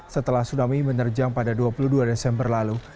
setelah tsunami menerjang pada dua puluh dua desember lalu